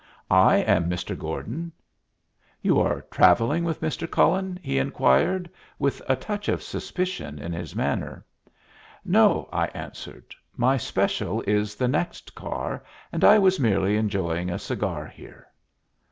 "I am Mr. Gordon." "You are travelling with Mr. Cullen?" he inquired, with a touch of suspicion in his manner. "No," I answered. "My special is the next car, and I was merely enjoying a cigar here."